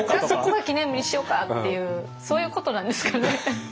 そこが記念日にしようかっていうそういうことなんですかね。